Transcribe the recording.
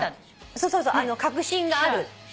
そうそうそう確信がある。